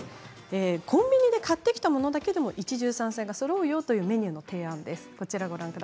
コンビニで買ってきたものだけでも一汁三菜がそろうという提案です。